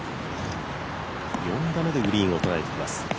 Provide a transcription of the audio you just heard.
４打目でグリーンを捉えてきます。